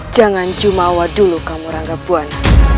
jangan jumawa dulu kamu rangga buan